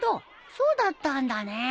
そうだったんだね。